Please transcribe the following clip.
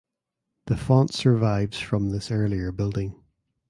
The font survives from this earlier building.